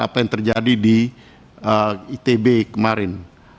apa yang terjadi di itb kemarin